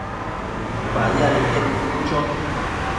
Badiadeque nidnu cho